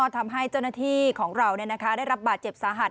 ทำให้เจ้าหน้าที่ของเราได้รับบาดเจ็บสาหัส